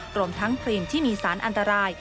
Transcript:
รวมทั้งครีมที่มีสารอันตราย